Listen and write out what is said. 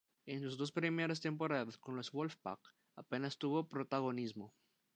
En sus dos primeras temporadas con los Wolfpack apenas tuvo protagonismo.